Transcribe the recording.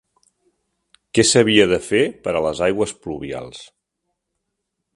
Què s'havia de fer per a les aigües pluvials?